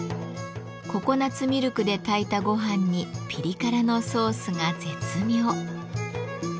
ココナツミルクで炊いたごはんにピリ辛のソースが絶妙。